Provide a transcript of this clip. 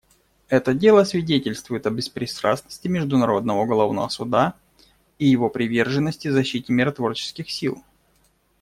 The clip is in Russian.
Это дело свидетельствует о беспристрастности Международного уголовного суда и его приверженности защите миротворческих сил.